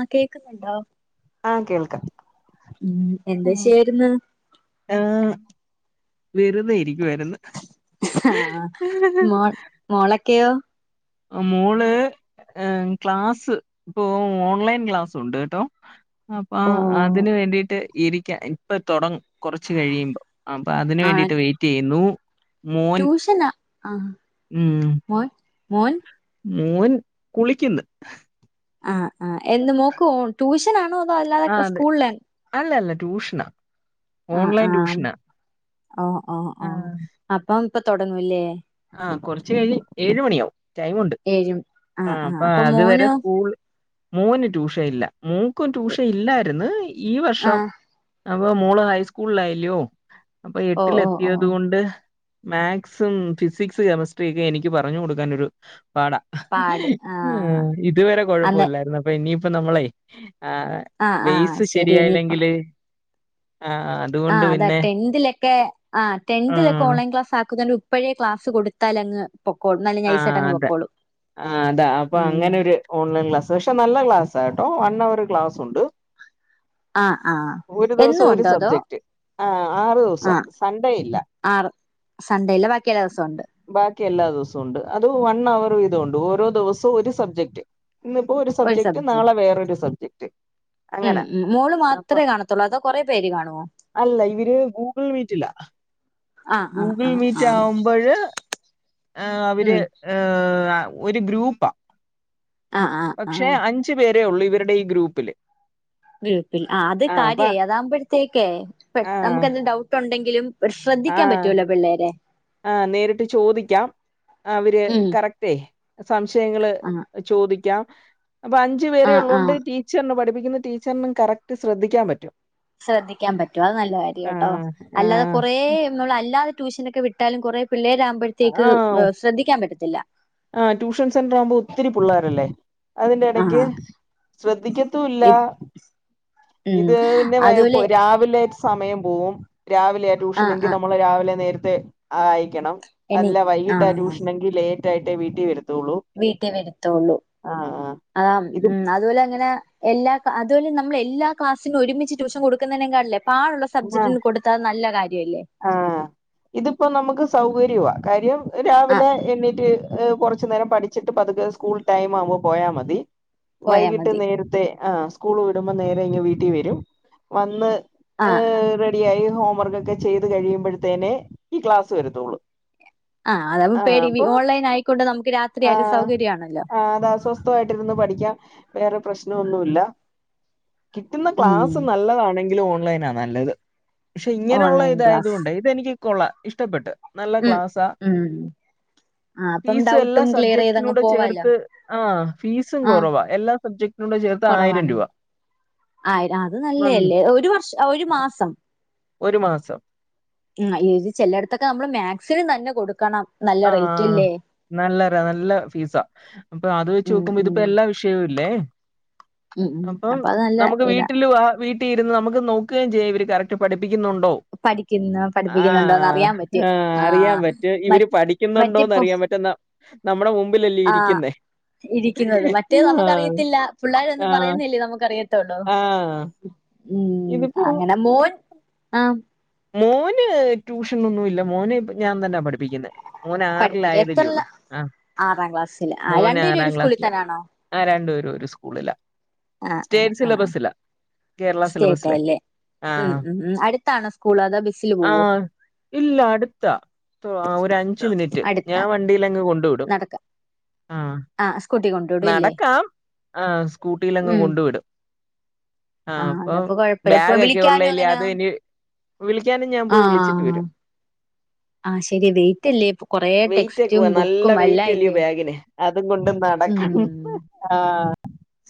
ആഹ് കേക്കുന്നുണ്ടോ ആഹ് കേൾക്കാം എന്ത് ചെയ്യര്ന്ന് ഏഹ് വെറുതെ ഇരിക്കുവാര്ന്ന് ആഹ് മോൾ മോളൊക്കെയോ മോള് ഏഹ് ക്ലാസ് ഇപ്പൊ ഓൺലൈൻ ക്ലാസുണ്ട് ട്ടോ അപ്പൊ ഓ അതിന് വേണ്ടിട്ട് ഇരിക്കാൻ ഇപ്പൊ തുടങ്ങും കുറച്ച് കഴിയുമ്പോ അപ്പൊ അതിന് ആഹ് വേണ്ടിട്ട് വെയിറ്റെയ്യുന്നു ട്യൂഷനാ ആഹ് ഉം മോൻ മോൻ മോൻ കുളിക്ക്ന്ന് ആഹ് ആഹ് എന്ന് മോക്ക് ട്യൂഷനാണോ അതോ അല്ലാതെ ആഹ് അതെ സ്കൂളിലണോ അല്ല അല്ല ട്യൂഷന ആഹ് ആഹ് ഓഹ് ഓഹ് ഓഹ് ആഹ് അപ്പം ഇപ്പൊ തൊടങ്ങൂല്ലേ ആഹ് കുറച്ച് കഴിഞ്ഞ് ഏഴു മണിയാവും ടൈമുണ്ട് ഏഴും ആഹ് അപ്പോ അപ്പൊ അതുവരെ മോനോ സ്കൂള് മോൻ ട്യൂഷയില്ല മോക്കും ട്യൂഷയില്ലായിരുന്ന് ഈ വർഷം ആഹ് അപ്പൊ മോള് ഹൈസ്കൂളിലായില്ലയോ അപ്പൊ ഓ എട്ടില് ഓ ഓ എത്തിയതു കൊണ്ട് മാക്സും ഫിസിക്സ് കെമിസ്ട്രിയെക്കെ എനിക്ക് പറഞ്ഞു കൊടുക്കാനൊരു പാടാ പാട് ആഹ് ഇതുവരെ അന്ന് കുഴപ്പല്ലായിരുന്നു അപ്പൊ ഇനിയിപ്പ നമ്മളെ ആഹ് ആഹ് ബേസ് ശരി ഇനിയിപ്പ ശരിയായില്ലെങ്കില് ആഹ് ആഹ് ആഹ് അതാ ടെൻതിലോക്കെ ആഹ് ടെൻതിലോക്കെ ആഹ് ഓൺലൈൻ ക്ലാസ് ആക്കുന്ന ഇപ്പോയെ ക്ലാസ് കൊടുത്താലങ്ങ് പക്കോ നല്ല ആഹ് നൈസായിട്ടങ്ങ് അത് പൊക്കോളും ആഹ് അതാ അപ്പൊ ഉം അങ്ങനെരു ഓൺലൈൻ ക്ലാസ് പക്ഷെ നല്ല ക്ലാസ് കേട്ടോ വൺ അവർ ക്ലാസ് ഉണ്ട് ആഹ് ആഹ് ഒരു എന്നും ദിവസം ഒരു ഉണ്ടോ അതോ സബ്ജക്ട് ആഹ് ആറു ദിവസം സൺഡേ ഇല്ല സൺണ്ടേയില്ല വാക്കി എല്ലാ ദിവസം ഉണ്ട് ബാക്കി എല്ലാ ദിവസവും ഉണ്ട് അത് വൺ അവർ വീതംഉണ്ട്‌ ഓരോ ദിവസവും ഒരു സബ്ജക്ട് ഇന്നിപ്പോ ഒരു സബ്ജക്ട് നാളെ വേറോരു സബ്ജെക്ട് ഉം ഉം മോള് മാത്ര കാണതൊള്ളൊ അതോ കൊറെ പേര് കാണുവോ അല്ല ഇവര് ഗൂഗിൾ മീറ്റില്ല ആഹ് ആഹ് ഗൂഗിൾ ആഹ് മീറ്റ് ആഹ് ആവുമ്പഴ് ഏഹ് ഉം അവര് ഏഹ് ഒരു ഗ്രൂപ്പാ ആഹ് ആഹ് പക്ഷെ ആഹ് അഞ്ച് അഞ്ചു പേരെ ഉള്ളൂ ഇവരുടെ ഈ ഗ്രൂപ്പില് ഗ്രൂപ്പിൽ ആഹ് അത് ആ അപ്പ കാര്യായി അതാകുമ്പോഴത്തേക്കേ ആ നമുക്ക് എന്ത്‌ ഡൗട്ട് ഉണ്ടെങ്കിലും ശ്രദ്ധിക്കാൻ പറ്റൂല്ലോ പിള്ളേരെ ആഹ് നേരിട്ട് ചോദിക്കാം അവര് ഉം കറക്റ്റേ സംശയങ്ങള് ആഹ് ചോദിക്കാം അപ്പൊ അഞ്ചു പേരെ ആഹ് ആഹ് ഉള്ളോണ്ട് ടി ടീച്ചറിനും പഠിപ്പിക്കുന്ന ടീച്ചറിനും കറക്റ്റ് ശ്രദ്ധിക്കാൻ പറ്റും ശ്രദ്ധിക്കാൻ പറ്റും അത് നല്ല ആ കാര്യട്ടോ അല്ലാതെ ആ കൊറെ നമ്മളല്ലാതെ ട്യൂഷനൊക്കെ വിട്ടാലും കുറെ പിള്ളേരാ ആകുമ്പോഴത്തേക്ക് ആഹ് ശ്രദ്ധിക്കാൻ പറ്റത്തില്ല ആഹ് ട്യൂഷൻ സെന്റർ ആവുമ്പോ ഒത്തിരി പിള്ളേരല്ലേ അതിന്റെ ഇടക്ക് ആഹ് ശ്രദ്ധിക്കത്തൂവില്ല ഇത് ഉം ഇത് പിന്നെ വൈ അതുപോലെ രാവിലെ സമയം പോവും രാവിലെയാ ആഹ് ട്യൂഷനെങ്കിൽ ആഹ് നമ്മള് രാവിലെ നേരത്തെ ആ അയക്കണം എനി അല്ല വൈകിട്ട് ആ ആഹ് ട്യൂഷനെങ്കിൽ ലേറ്റായിട്ടേ വീട്ടിൽ വരത്തുള്ളൂ വീട്ടിൽ വരുത്തുള്ളൂ ആഹ് ഇത് ഉം അതുപോലെ അങ്ങനെ എല്ലാ ക്ളാ അതുപോല നമ്മളെ എല്ലാ ക്ലാസിനും ഒരുമിച്ച് ട്യുഷ കൊടുക്കുന്നതിനേക്കാളും പാടുള്ള സബ്ജക്റ്റ്ന് കൊടു ത്താ നല്ല കാര്യംല്ലേ ആഹാ ഇതിപ്പോ നമുക്ക് സൗകര്യവാ കാര്യം ആഹ് രാവിലെ എണ്ണീറ്റ് കൊറച്ചു നേരം പഠിച്ചിട്ട് പതുക്കെ സ്കൂൾ ടൈം ആവുമ്പോ പോയാൽ മതി പോയാ വൈകിട്ട് മതി നേരത്തെ ആഹ് സ്കൂള് വിടുമ്പോ നേരെ ഇങ് വീട്ടിൽ വരും വന്ന് ആഹ് റെഡി ആയി ഹോംവർക്ക് ഒക്കെ ചെയ്ത് കഴിയുമ്പോഴത്തേനെ ഈ ക്ലാസ് വരത്തൊള്ളൂ ആഹ് അ പേടി ഓൺലൈൻ ആയിക്കൊണ്ട് നമുക്ക് ആ രാത്രിയാലും സൗകര്യാണല്ലോ ആ അത സ്വ സ്വസ്ഥയിട്ടിരുന്ന് പഠിക്കാം വേറെ പ്രശ്നമൊന്നൂല്ല കിട്ടുന്ന ക്ലാസ് ഉം നല്ലതാണെങ്കില് ഓൺലൈനാ നല്ലത് പക്ഷെ ഇങ്ങനെയുള്ളെ ഓൺലൈൻ ക്ലാസ് ഇതെനിക്ക് കൊള്ളാ ഇഷ്ടപ്പെട്ട് നല്ല ഉം ക്ലാസ്സാ ഉം ആ അപ്പം ഫീസ് എല്ലാ ഡൗട്ടും ക്ലിയർ ചെയ്തങ്ങ് സബ്ജക്ടിനൂടെ പോവാലോ ചേർത്ത് ആ ഫീസും ആ കൊറവാ എല്ലാ സബ്ജക്ട് ത്തും ചേർത്ത് ആയിരം കുറവാണ് രൂപ ആ ആയിരം അത് മന്ത് നല്ലല്ലേ ഒരു വർഷം ഒരു മാസം ഒരു മാസം ഇത് ചെലയിടത്തൊക്കെ നമ്മള് മാത്‍സ് തന്നെ കൊടുക്കണം നല്ല റേറ്റ് ആഹ ഇല്ലേ നല്ലരാ നല്ല ഫീസാ അപ്പൊ അത് വെച്ച് ഉം നോക്കുമ്പോ ഉം ഇതിപ്പോ എല്ലാ വിഷ് ഷയവും ല്ലേ ഉം ഉം അപ്പ അപ്പൊ അത് നല്ല നമുക്ക് ഇതാ വീട്ടിലും ആഹ് വീട്ട് തീരുന്നത് നമുക്ക് നോക്കുകയും ചെയ്യാം ഇവര് കറക്റ്റ് പഠിപ്പിക്കുന്നുണ്ടോ പഠിക്കുന്ന പഠിപ്പിക്കുന്നുണ്ടോന്ന് ആഹാ അറിയാൻ പറ്റും ആഹാ ആ അറിയാൻ പറ്റും മ ഇവര് പഠിക്കുന്നുണ്ടോന്ന് മറ്റിപ്പോ അറിയാൻ പറ്റുന്ന നമ്മുടെ മുമ്പിലല്ലേ ആ ഇരിക്കുന്നേ ഇരിക്കുന്നത് മറ്റേ ആഹ് നമുക്കറിയത്തില്ല പിള്ളേര് ഒന്നും ആഹ് പറയുന്നില്ലേ നമുക്കറിയത് ത്തള്ളോ ആഹ് ഉം ഇതിപ്പോ അങ്ങനെ മോൻ ആ മോന് ട്യൂഷനൊന്നും ഇല്ല മോന് ഞാൻ തന്നെ പഠിപ്പിക്കുന്നേ മോന് പഠിപ്പിക്ക ആറിലായതല്ലേ എത്രല്ല ഉള്ളൂ ആ ആറാം ക്ലാസ്സില് ആ മോന് രണ്ടുപേരും ഒരു ആറാം സ്കൂളിൽ ക്ലാസ്സിലാ തന്നാണോ ആ രണ്ടുപേരും ഒരു സ്കൂളിലാ ആ ആ സ്റ്റേറ്റ് ആ സിലബസിലാ കേരള സ്റ്റേറ്റ് സിലബസിലേ ആയില്ലേ ആ ഉം ഉം അടു ത്താണോ സ്കൂൾ അതോ ബസി ആഹ് ഇല്ല അടുത്താ തൊ ഒരു അഞ്ച് മിനിറ്റ് അടുത്താ ഞാൻ വണ്ടിയിലങ്ങ് കൊണ്ട് വിടും ആഹ് ആ സ്കൂട്ടി കൊണ്ടു വിടും ഇല്ലേ നടക്കാം ആഹ് സ്കൂട്ടിയിലങ്ങ് കൊണ്ടു വിടും ആഹ് പ്പൊ അതപ്പൊ കൊഴപ്പല്ല ഇപ്പൊ ബാഗ് ഒക്കെ വിളിക്കാനും ഉള്ളെതല്ലെ എങ്ങനാ അത് ഇനി വിളിക്കാനും ഞാൻ പോയി വിളിച്ചിട്ട് വരും ആഹ ശെരി വെയിറ്റ് അല്ലേ ഇപ്പൊ കൊറേ വെയിറ്റ് ടെക്സ്റ്റും ഒക്കെ നല്ല ബുക്കും അല്ലാ ഇല്ലേ അതും കൊണ്ട് നട് ഉം ആഹ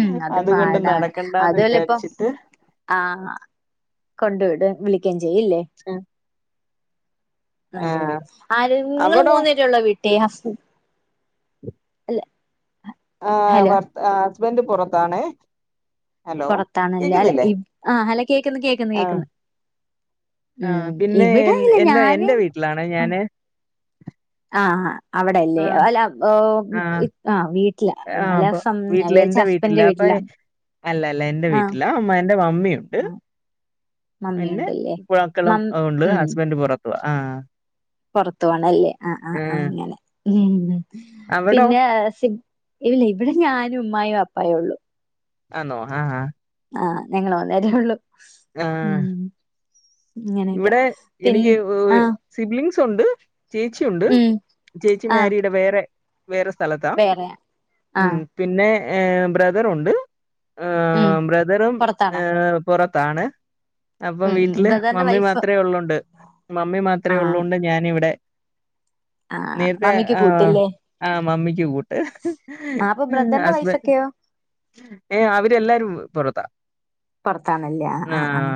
ഉം അത് അതുകൊണ്ടും നടക്കണ്ടാന്ന് വിചാരിച്ചിട്ട് ആഹാ കൊണ്ട് വിടും വിളിക്കും ചെയ്യും ല്ലേ ഉം ഉം ഉം ആര് ങ്ങള് അവിടോ മൂന്ന് പേരെ ഉള്ളൂ വീട്ടി ഹസ് [inaudible] അല്ല ആഹാ ഹലോ ഭർ ഹസ്ബൻഡ് പുറത്താണേ ഹലോ പൊറത്താണല്ലേ അല്ല കേക്കുന്നില്ലേ ഇ ആഹ് ഹല കേക്ക്ന്ന് കേക്ക്ന്ന് ആഹ് കേക്ക്ന്ന് ഉം ആഹ് പിന്നെ ഇവിടെ എൻ ഇല്ല എനെ എൻ്റെ ഞാനും വീട്ടിലാണേ ഞാന് ആഹാ അവിടെല്ലേ ആഹ് അല്ല ആഹ് ആഹ് വീട്ടില ആഹ് അപ്പൊ കാലസം ഞാ വീട്ടില് വിചാരിച്ച് എന്റെ വീട്ടില് ഹസ്ബന്റെ അപ്പൊ വീട്ടിലാന്ന് അല്ല അല്ല എൻ്റെ വീട്ടില അമ്മ എന്റെ മമ്മിയുണ്ട് ആഹ് പിന്നെ മമ്മിയുണ്ടല്ലേ മക്കളും മം ഉണ്ട് ഹസ്ബൻഡ് പുറത്തുവ ആഹ് പുറത്തുവാണല്ലേ ആഹ് ആഹ് ആഹ് അങ്ങനെ ഉം അവിടോ പിന്നെ സി ഇല്ല ഇവിടെ ഞാനും ഉമ്മായും വാപ്പായേ ഉള്ളു ആന്നോ ആഹ് ആഹ് ആഹ് ഞങ്ങള് മൂന്നേരേ ഉള്ളു ആഹ് ഉം ഇങ്ങനെയൊക്കെ ഇവിടെ പിൻ എനിക്ക് ആഹ് സിബ്ലിംങ്സ് ഉണ്ട് ചേച്ചിണ്ട് ഉം ചേച്ചി ആഹ് മാരിടാ വേറെ വേറെ സ്ഥലത്താ വേറെ ഉം ആഹ് പിന്നെ ബ്രദറുണ്ട് ഉം ആഹ് ബ്രദറും പുറത്താണോ ഏഹ് പുറത്താണ് അപ്പൊ ഉം ഉം വീട്ടില് ബ്രദറിന്റെ മമ്മി വൈഫ് മാത്രേ ഉള്ളൊണ്ട് മമ്മി മാത്രേ ആഹ് ഉള്ളൊണ്ട് ഞാനിവിടെ ആഹ് നേരത്തെ മമ്മിക്ക് ആഹ് കൂട്ടില്ലേ ആഹ് മമ്മിക്ക് കൂട്ട് ആഹ് അപ്പൊ ബ്രദറിന്റെ ഹസ്ബ വൈഫൊക്കെയോ ഏഹ് അവര് എല്ലാരും പുറത്താ പുറത്താണല്ലേ ആഹ് ആഹ് ആഹ്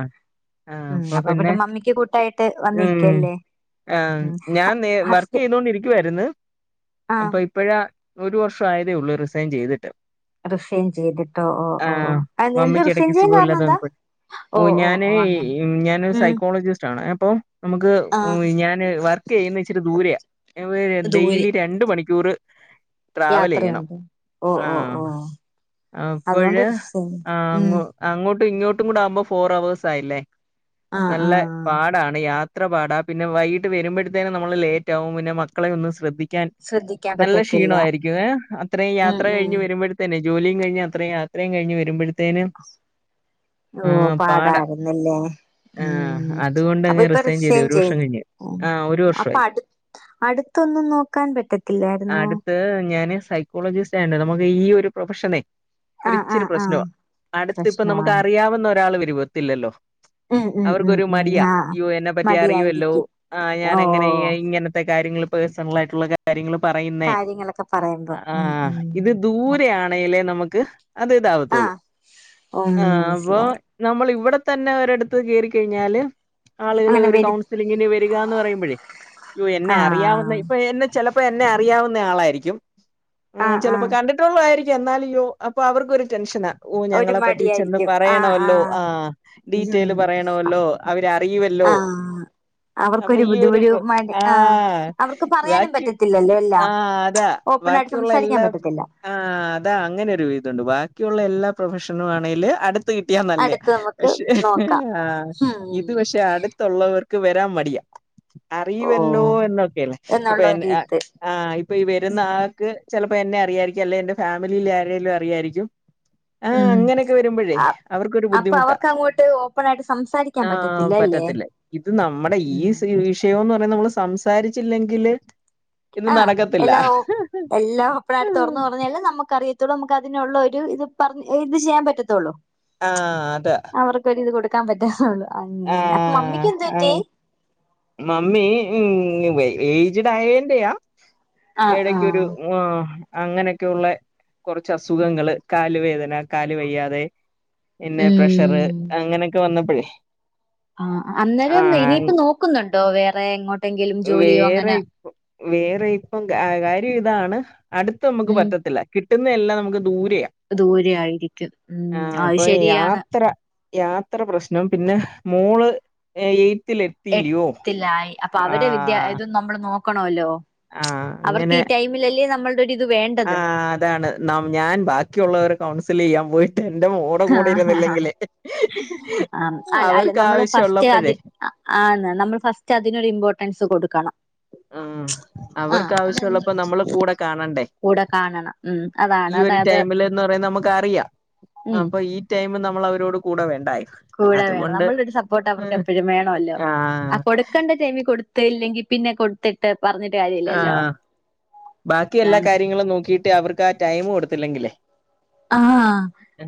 ഉം അപ്പൊ പിന്നെ മമ്മിക്ക് കൂട്ടായിട്ട് വന്ന് ഉം നിക്കല്ലേ ആഹ് ഞാൻ നേ വർക്ക് ചെയ്തോണ്ടിരിക്കുവായിരുന്ന് ആഹ് ഇപ്പോഴ ഒരു വർഷം ആയതേ ഉള്ളൂ റിസൈൻ ചെയ്തിട്ട് റിസൈൻ ചെയ്തിട്ടോ ഓ ഓ ഓ ആഹ് ഓ എന്ത് റിസൈൻ ചെയ്യ കാരണം എന്താ ഓ ഞാന് ഞാൻ ഒരു ഉം സൈക്കോളജിസ്റ്റ് ആണ് അപ്പൊ നമുക്ക് ആ ഞാന് വർക്ക് ചെയ്യുന്നെ ഇച്ചിരി ദൂരെയ ഇവേ ദൂരെ ഡെയിലി രണ്ട് മണിക്കൂർ ട്രാവല് ചെയ്യണം യാത്രയുണ്ട് ഓ ഓ ആഹ് ഓ അതുകൊണ്ട് അപ്പോഴ് റിസൈൻ ആഹ് അങ്ങ ഉം അങ്ങോട്ടും ഇങ്ങോട്ടും കൂടെ ആവുമ്പോ ഫോർ അവേഴ്സ് ആയില്ലേ ആ ആ നല്ലെ പാടാണ് യാത്ര പാടാ പിന്നെ വൈകിട്ട് വരുമ്പോഴത്തേനെ നമ്മള് ലേറ്റ് ആകും പിന്നെ മക്കളെ ഒന്നും ശ്രദ്ധി ക്കാൻ ശ്രദ്ധിക്കാൻ നല്ല പറ്റത്തില്ല ക്ഷീണമായിരിക്കും ഏഹ് അത്രയും ഉം യാത്ര ഉം കഴിഞ്ഞ് വരുമ്പോഴ തന്നെ ജോലിം കഴിഞ്ഞു അത്ര യാത്രയും കഴഞ്ഞ് വരുമ്പഴ് ഓ പാടാ പാടായിരുന്നല്ലേ ആഹ് ഉം അപ്പൊ അതുകൊണ്ടങ്ങ് ഇപ്പൊ ചെയ്ത് റിസൈൻ ഒരു വർഷം ചെയ്തു കഴിഞ്ഞ് ഉം ആഹ് ഒരു അപ്പൊ വർഷമായി അടു അടുത്തൊന്നും നോക്കാൻ പറ്റത്തില്ലായിരുന്നോ ത് ഞാന് സൈക്കോളജിസ്റ്റ് ആയൊണ്ട് നമുക്ക് ഈ ഒരു പ്രൊഫഷനെ ആ ആ ഒരിച്ചിരി ആ പ്രശ്നവാ അടുത്ത് ഇപ്പൊ നമുക്ക് പ്രശ്നമാണ് അറിയാവുന്ന ഒരാൾ വരുവത്തില്ലല്ലോ ഉം ഉം ഉം അവർക്കൊരു ഉം മടിയാ ആഹ് യൊ എന്നെ പറ്റി അറിയുവല്ലോ മടിയായിരിക്കും ആഹ് ഞാനെങ്ങനെ ഇ ഓഹ് ഇങ്ങനത്തെ കാര്യങ്ങള് പേഴ്സണലായിട്ടുള്ള കാര്യങ്ങള് പറയുന്നേ കാര്യങ്ങളൊക്കെ പറയുമ്പോ ഉം ആഹ് ഇത് ഉം ദൂരെ ആ ണേലെ നമുക്ക് അത് ഇതാവത്തുള്ളൂ ആഹ് ഉം ആഹ് അപ്പൊ മനസ്സിലായി നമ്മൾ ഇവിടെ തന്നെ ഒരിടത്ത് കേറിക്കഴിഞ്ഞാല് ആളുകള് അങ്ങനെ ഒരു വരു കൗൺസിലിങ്ങിന് വരിക എന്ന് പറയുമ്പോഴേ യ്യോ എന്നെ അറിയാവുന്ന ആഹ് ഇപ്പൊ എന്നെ ചെലപ്പോ എന്നെ അറിയാവുന്ന ആളായിരിക്കും ആഹ് ചിലപ്പോ ആഹ് കണ്ടി ട്ടുള്ളതായിരിക്കും എന്നാലും യോ അപ്പൊ അവർക്കൊരു ടെൻഷനാ ഓ ഒരു ഞങ്ങളെ പറ്റി ചെന്ന് മടിയായിരിക്കും ആഹ് പറയണമല്ലോ ആഹ് ഉം ഡീറ്റെല് പറയണവല്ലോ അവരറിയുവല്ലോ ആഹ് അപ്പൊ അവർക്കൊരു ഈ ബുദ്ധി ഒരു മടി ആഹ് അവർക്ക് പറയാനും ബാക്കി പറ്റത്തില്ലല്ലോ എല്ലാം ആഹ് അതാ ഓപ്പൺ ആയിട്ട് ബാക്കിയുള്ള സംസാരിക്കാൻ എല്ലാ പറ്റത്തില്ല ആഹ് അതാ അങ്ങനെ ഒരു വിധം ഉണ്ട് ബാക്കിയുള്ള എല്ലാ പ്രൊഫഷനും ആണെലും അടു ത്ത്കിട്ടിയാ നല്ലത് അടുത്ത് നമുക്ക് പക്ഷേ നോക്കാം ആഹ് ഉം ഇത് പക്ഷെ ആഹ് ടുത്തുള്ളവർക്ക് വരാൻ മടിയ അറിവല്ലോ ഓഹ് എന്നൊക്കെയാണ് ഇപ്പൊ എന്നുള്ള [unintelligible] ഒരിത് ആഹ് ഇപ്പൊ ഈ വരുന്ന ആൾക്ക് ചിലപ്പോ എന്നെ അറിയായിരിക്കും അല്ലെ എന്റെ ഫാമിലിയിൽ ആരെങ്കിലും അറിയായിരിക്കും ആഹ് ഉം അങ്ങനെയൊക്കെ വരുമ്പോഴേ ആ അവർക്കൊരു അപ്പൊ ബുദ്ധിമുട്ടാ അവർക്ക് അങ്ങോട്ട് ഓപ്പണായിട്ട് സംസാരിക്ക ആഹ് പറ്റത്തില്ലേ ഇത് നമ്മുടെ ഈ ഉം സിയൂസ് യോ നമ്മള് സംസാരിച്ചില്ലെങ്കില് ഇത് ആഹ് നടക്കത്തില്ല ഹലൊ എല്ലാ ഓപ്പണായിട്ട് തൊറന്ന് പറഞ്ഞാല് നമുക്കറിയ ദ് നമുക്കതിനുള്ള ഒരു ഇത് പറഞ്ഞ് ഇത് ചെയ്യാൻ പറ്റത്തുള്ളൂ ആഹ് അതാ അവർക്കൊരുത് കൊടുക്കാൻ പറ്റാ അങ്ങനെ അപ്പ ആഹ് മമ്മിക്ക് എന്തു പറ്റീ അങ് മമ്മി ഉം ഏജ്ഡ് ആയന്റെയാ ആഹ് എടയ്ക്കൊരു ആഹ് ആഹ് അങ്ങനെയൊക്കെയ ഉള്ള കൊറച്ച് അസുഖങ്ങള് കാല് വേദന കാല് വയ്യാതെ പിന്നെ പ്രഷർ ഉം അങ്ങനെയൊക്കെ വന്നപ്പെഴ് ആഹ് അന്നേരം ഇനിയിപ്പ നോക്കുന്നുണ്ടോ വേറെ എങ്ങോട്ട് വേറെ ഇപ്പം വേറെ ഇപ്പം കാര്യം ഇതാണ് അടുത്ത നമുക്ക് ഉം പറ്റത്തില്ല കിട്ടുന്നതെല്ലാം നമുക്ക് ദൂരെയാ ദൂരെ ആയിരിക്കും ഉം ആഹ് അത് അപ്പൊ ശരിയാ യാത്ര യാത്ര പ്രശ്നം പിന്നെ മോള് എയ്ത്തിൽ എത്തിയിലോ എട്ടിലായി അപ്പൊ അവരെ വിദ്യ ഇത് നമ്മള് നോക്കണല്ലോ ആഹ് അവർക്ക് അങ്ങനെ ഈ ടൈമിലല്ലേ നമ്മൾ ടിതി ഇത് വേണ്ടത് ആഹ് അതാണ് ഞാൻ ബാക്കിയുള്ളവരെ കൗൺസിലിയ്യാൻ പോയി എന്റെ മോൾടെ ആ കൂടെ ഇരുന്നില്ലെങ്കിലേ ആ അവർക്ക് ആാവശ്യമുള്ളപ്പഴേ ആഹ് നമ്മൾ ഫസ്റ്റ് അതിനൊരു ഇമ്പോർട്ടൻസ് കൊടുക്കണം ആഹ് ആ അവർക്ക് അതെന്താ ആവശ്യുള്ളപ്പോ നമ്മള് കൂടെ കാണണ്ടേ കൂടെ കാണണം ഉം അതാണ് ഈയൊരു അതായത് ടൈമില്ന്ന് പറയണത് നമുക്ക് അറിയാം ഉം അപ്പൊ ഈ ടൈം നമ്മള് അവരോട് കൂടെ വേണ്ടായൊ കൂടെ വേണം നമ്മളൊരു സപ്പോർട്ട് അവർക്ക് എപ്പോഴും വേണല്ലോ ആഹ് കൊടുക്കേണ്ട ടൈമിൽ കൊടു ത ഇല്ലെങ്കിൽ പിന്നെ കൊടുത്ത് ട്ടെ പറഞ്ഞിട്ട് കാര്യംല്ല ആഹ് ബാക്കി എല്ലാ കാര്യങ്ങളും നോക്കീട്ട് അവർക്ക് ആഹ് ടൈം കൊടുത്തില്ലെങ്കില് ആഹ്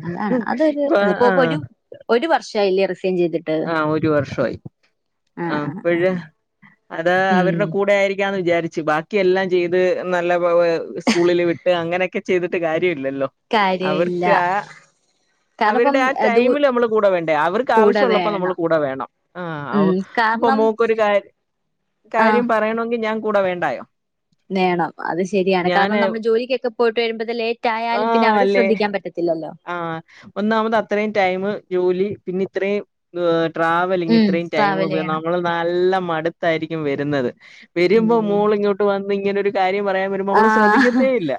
അതാണ് അതൊരു ഇപ്പൊ ഇപ്പോ ആഹ് പൊരു ഒരു വർഷായില്ലേ റിസേൻ ചെയ്തിട്ട് ആഹ് ഒരു വർഷമായി ആ ആഹ് ആ ആ അപ്പേഴ് അത് ഉം അവരുടെ കൂടെ ആയിരിക്കാന്ന് വിചാരിച്ചാ ചി ബാക്കി എല്ലാം ചെയ്ത് നല്ല സ്കൂളില് വിട്ട് അങ്ങനെയൊക്കെ ചെയ്തിട്ട് കാര്യം ഇല്ലല്ലോ കാര്യം ഇല്ല അവരുടെ ആഹ് ടൈമില് നമ്മള് കൂടെ വേണ്ടേ അവർക്ക് കൂടെ ആവശ്യമുള്ളപ്പോ നമ്മൾ വേണം കൂടെ വേണം ഹാ ഉം പ്പൊ കാരണം മോക്കൊരു കാര്യം ആഹ് കാര്യം പറയണമെങ്കിൽ ഞാൻ കൂടെ വേണ്ടായോ വേണം അത് ശരിയാണ് കാരണം ഞാന് നമ്മൾ ജോലിക്കൊക്കെ പോയിട്ട് വരുമ്പോത് ലേറ്റ് ആ ആയാലും പിന്നെ അവരെ അല്ലേ ശ്രദ്ധിക്കാൻ പറ്റത്തില്ലല്ലോ ആഹ് ഒന്നാമത് അത്രയും ടൈം ജോലി പിന്നെ ഇത്രയും ട്രാവലിങ് ഉം ഇത്രയും ടൈമ് ട്രാവൽ ചെയ്യണം നമ്മള് നല്ല മടുത്തായിരിക്കും വെരുന്നത് രുമ്പോ ഉം മോള് ഇങ്ങാട്ട് വന്ന് ഇങ്ങനെ ഒരു കാര്യം പറയാൻ വേണ്ടീട്ട് നമ്മള് ആഹ് ശ്രദ്ധിക്കേത്തേയില്ല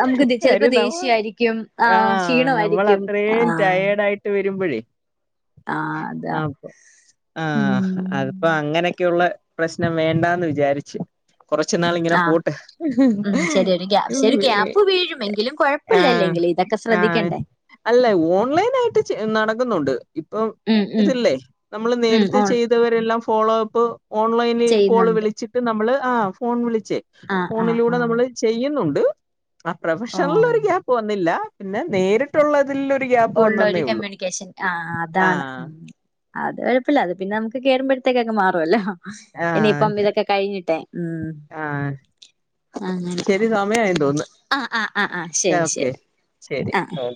നമുക്ക് ചിലപ്പോ കാര്യം നമ്മള ദേഷ്യമായിരിക്കും ആഹ് [unintelligible] ക്ഷീണമായിരിക്കും ആഹ് ടയേർഡ് ആയിട്ട് വരുമ്പഴേ ആഹ് അതാ ആപ്പോ ആഹ് ഉം അറീ പ്പൊ അങ്ങനൊക്കെയുള്ള പ്രശ്നം വേണ്ടാന്ന് വിചാരിച്ച് കൊറച്ച്നാള് ഉം ഇങ്ങനെ ആഹ് പോട്ട് ഉം ശരി ഒരു ഗ്യാ ശരി ഒരു ഗ്യാപ്പ് വീഴും എങ്കിലും ആഹ് കുഴപ്പമില്ലല്ലെങ്കില് ഇതൊക്കെ ആഹ് ശ്രദ്ധിക്കണ്ടേ അല്ല ഓൺലൈനായിട്ട് നടക്കുന്നുണ്ട് ഇപ്പൊ ഉം ഉം ഇതല്ലേ നമ്മള് ഉം നേരത്തെ ഓൺ ചെയ്ത് ഇതുവരെല്ലാം ഫോളോ അപ്പ് ഓൺലൈന് കോള് ചെയ്യുന്നുണ്ട് വിളിച്ചിട്ട് നമ്മള് ആഹ് ഫോൺ വിളിച്ചേ ആഹ് ആഹ് ഫോണിലൂടെ ആഹ് നമ്മള് ചെയ്യുന്നുണ്ട്, ആഹ് പ്രഫഷണൽല് ഓഹ് ഒരു ഗ്യാപ്പ് വന്നില്ല, പിന്നെ നേരിട്ടുള്ളതിൽ ഒരു ഗ്യാപ്പ് ഒള്ളൊരു വന്നെന്നേ ഉള്ളൂ കമ്മ്യൂണിക്കേഷൻ ആഹ് അതാണ് ആഹ് അത് കൊഴപ്പില്ല, അത് പിന്നെ നമുക്ക് കേറുമ്പഴത്തേക്കങ്ങ് മാറുവല്ലോ ആഹ് ഇനിയിപ്പം ഇതൊക്കെ കഴിഞ്ഞിട്ടെ ഉം ആഹ് അങ്ങനെ ശരി സമയായെന്ന് തോന്നുന്നു [unintelligible] ആഹ് ആഹ് ആഹ് ആഹ് ശരി ഓക്കെ ശരി ശരി ആഹ് ഓ